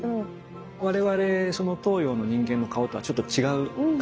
我々東洋の人間の顔とはちょっと違う感じがしますよね。